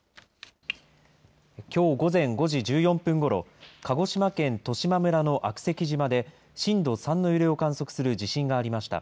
きょう午前５時１４分ごろ、鹿児島県十島村の悪石島で、震度３の揺れを観測する地震がありました。